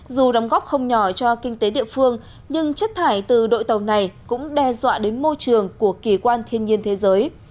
dù đóng góp không nhỏ cho kinh tế địa phương nhưng chất thải từ đội tàu này cũng đe dọa đến môi trường của kỳ quan thiên nhiên thế giới